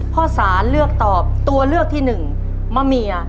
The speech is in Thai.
พระศาลเลือกตอบตัวเลือกที่๑มะเมีย